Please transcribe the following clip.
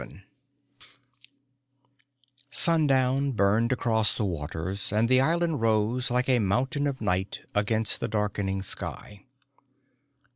VII Sundown burned across the waters and the island rose like a mountain of night against the darkening sky.